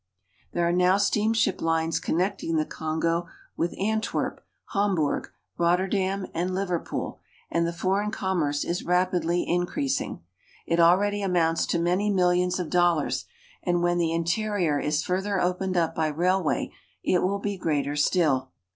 There are now steamship lines connecting the Kongo with Antwerp, Hamburg, Rotterdam, and Liverpool, and the foreign commerce is rapidly increasing. It already amounts to many millions of dollars, and when the inte rior is further opened up by railway, it will be greater still.